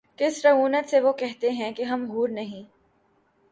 کس رعونت سے وہ کہتے ہیں کہ ’’ ہم حور نہیں ‘‘